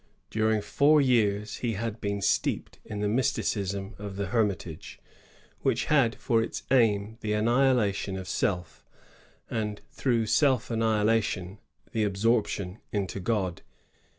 During four years he had been steeped in the mysticism of the Hermitage, which had for its aim the annihilation of self, and through self annihilation the absorption into God.